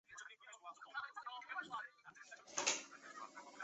过度放牧和利用枪枝过度捕猎在威胁着野生生物。